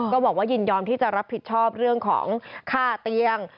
ก็บอกว่ายินยอมที่จะรับผิดชอบเรื่องของค่าเตียง